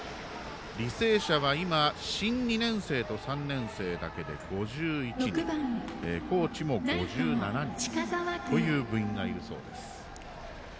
履正社は今新２年生と３年生だけで５１人高知も５７人という部員がいるそうです。